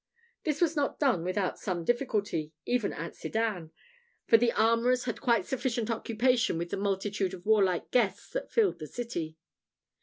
This was not done without some difficulty even at Sedan; for the armourers had quite sufficient occupation with the multitude of warlike guests that filled the city.